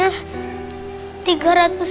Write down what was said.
mohon pak bebas everest